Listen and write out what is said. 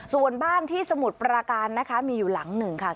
ส่วนบ้านที่สมุทรปราการนะคะมีอยู่หลังหนึ่งค่ะ